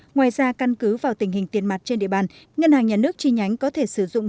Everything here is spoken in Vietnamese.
ngoài ra căn cứ vào tình hình tiền mặt trên địa bàn ngân hàng nhà nước chi nhánh có thể sử dụng